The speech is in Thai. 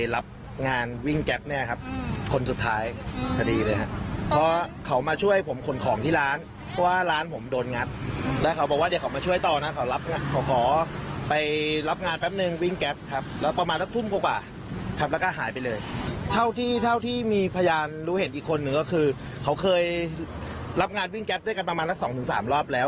รับงานวิ่งกราฟด้วยกันประมาณละ๒๓รอบแล้ว